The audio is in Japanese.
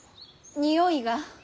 においが。